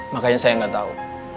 makanya saya gak tau